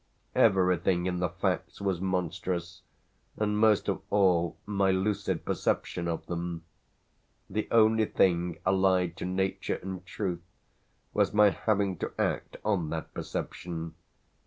Everything in the facts was monstrous, and most of all my lucid perception of them; the only thing allied to nature and truth was my having to act on that perception.